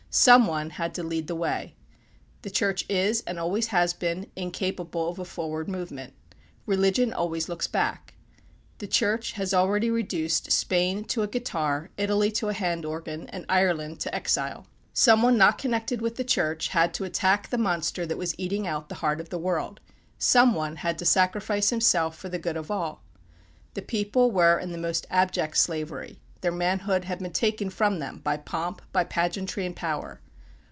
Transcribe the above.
Some one had to lead the way. The Church is, and always has been, incapable of a forward movement. Religion always looks back. The Church has already reduced Spain to a guitar, Italy to a hand organ, and Ireland to exile. Some one not connected with the Church had to attack the monster that was eating out the heart of the world. Some one had to sacrifice himself for the good of all. The people were in the most abject slavery; their manhood had been taken from them by pomp, by pageantry and power.